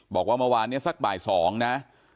บอกว่าเมื่อวานนี้สักบ่าย๒นะ